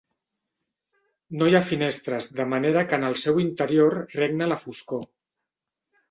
No hi ha finestres, de manera que en el seu interior regna la foscor.